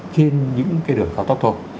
trên những cái đường cao tốc thôi